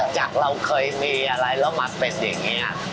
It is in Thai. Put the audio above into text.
จากเราเคยมีอะไรแล้วมาเป็นอย่างนี้